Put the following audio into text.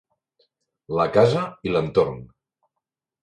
La casa i l'entorn